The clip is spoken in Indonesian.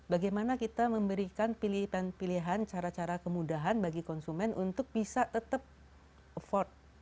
bagaimana kita memberikan pilihan pilihan cara cara kemudahan bagi konsumen untuk bisa tetap affort